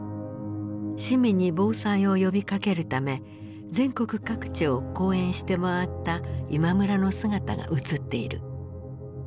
市民に防災を呼びかけるため全国各地を講演して回った今村の姿が映っている。